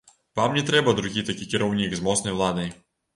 Вам не трэба другі такі кіраўнік з моцнай уладай.